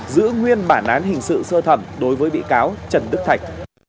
giữ nguyên bản án hình sự sơ thẩm đối với bị cáo trần đức thạch